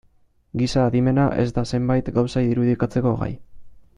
Giza adimena ez da zenbait gauza irudikatzeko gai.